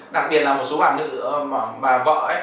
đặc biệt là một số bà vợ